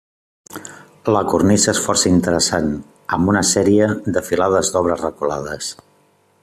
La cornisa és força interessant, amb una sèrie de filades d'obra reculades.